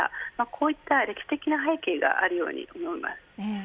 こういった歴史的な背景があるように思います。